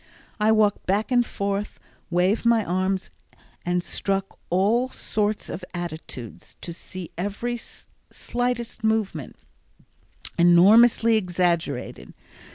I walked back and forth, waved my arms and struck all sorts of attitudes, to see every slightest movement enormously exaggerated.